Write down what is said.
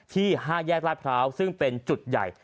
ที่ห้าแย่กร้าชพร้าวซึ่งเป็นจุดใหญ่